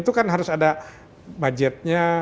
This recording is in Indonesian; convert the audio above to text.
itu kan harus ada budgetnya